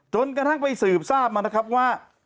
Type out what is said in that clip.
จนกระทั่งไปสืบทราบมานะครับว่า